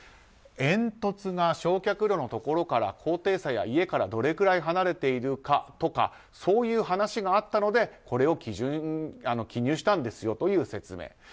煙突が焼却炉のところから高低差や家からどれくらい離れているかとかそういう話があったのでこれを記入したんですよという説明。